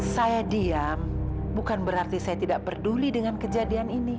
saya diam bukan berarti saya tidak peduli dengan kejadian ini